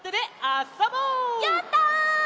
やった！